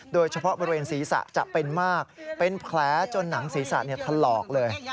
โดยเฉพาะบริเวณศีรษะจะเป็นมากเป็นแผลจนหนังศีรษะถลอกเลย